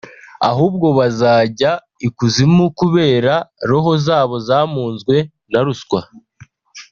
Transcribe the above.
ahubwo bazajya ikuzimu kubera roho zabo zamunzwe na ruswa